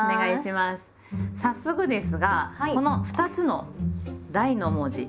早速ですがこの２つの「大」の文字